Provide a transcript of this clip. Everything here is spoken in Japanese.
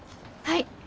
はい。